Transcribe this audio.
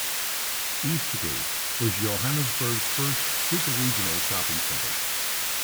Eastgate was Johannesburg's first 'super-regional' shopping centre.